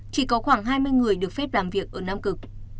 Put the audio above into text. chỉ có khoảng hai mươi người được phép làm việc ở nam cực